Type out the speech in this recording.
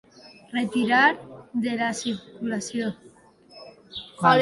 Retirar de la circulació.